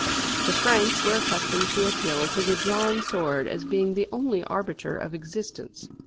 The Franks were accustomed to appeal to the drawn sword as being the only arbiter of existence.